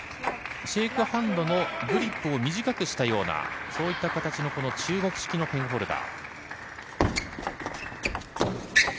シェークハンドのグリップを短くしたような形の中国式のペンホルダー。